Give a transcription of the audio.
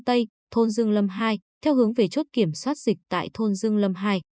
tây thôn dương lâm hai theo hướng về chốt kiểm soát dịch tại thôn dương lâm hai